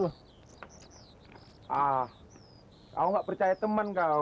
ah kau gak percaya temen kau